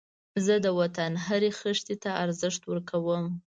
زه د وطن هرې خښتې ته ارزښت ورکوم